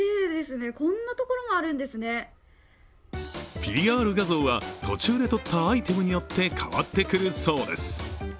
ＰＲ画像は途中で取ったアイテムによって変わってくるそうです。